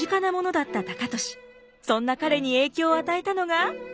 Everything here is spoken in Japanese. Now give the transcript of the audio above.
そんな彼に影響を与えたのが。